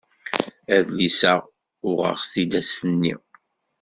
Adlis-a uɣeɣ-t-id ass-nni.